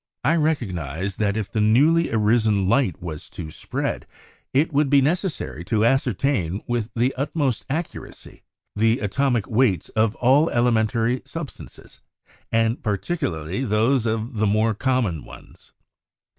... I recognised that if the newly arisen light was to spread, it would be necessary to ascertain with the utmost accuracy the atomic weights of all elementary substances, and par ticularly those of the more common ones.